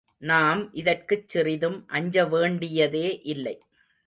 நாம் இதற்குச் சிறிதும் அஞ்ச வேண்டியதே இல்லை.